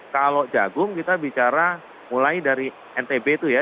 kalau jagung kita bicara mulai dari ntb itu ya